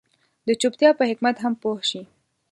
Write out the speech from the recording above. د چوپتيا په حکمت هم پوه شي.